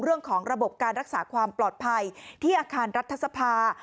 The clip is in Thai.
เรื่องของระบบการรักษาความปลอดภัยที่อาคารรัฐสภา